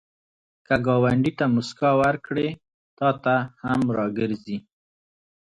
که ګاونډي ته مسکا ورکړې، تا ته هم راګرځي